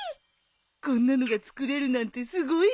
こんなのが作れるなんてすごいね。